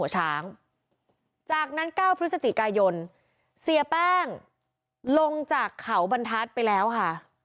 ช้างจากนั้น๙พฤศจิกายนเสียแป้งลงจากเขาบรรทัศน์ไปแล้วค่ะ